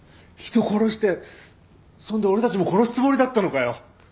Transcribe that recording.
人殺してそんで俺たちも殺すつもりだったのかよ？